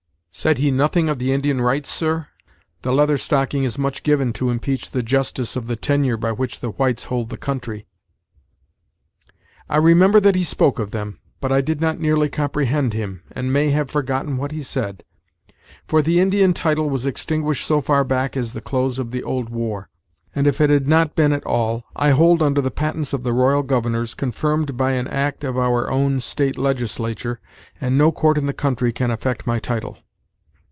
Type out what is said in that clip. "Said he nothing of the Indian rights, sir? The Leather Stocking is much given to impeach the justice of the tenure by which the whites hold the country." "I remember that he spoke of them, but I did not nearly comprehend him, and may have forgotten what he said; for the Indian title was extinguished so far back as the close of the old war, and if it had not been at all, I hold under the patents of the Royal Governors, confirmed by an act of our own State Legislature, and no court in the country can affect my title."